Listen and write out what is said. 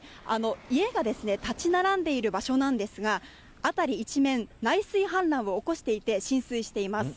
家が建ち並んでいる場所なんですが、辺り一面、内水氾濫を起こしていて、浸水しています。